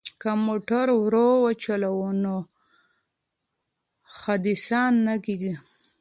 که موټر ورو وچلوو نو حادثه نه کیږي.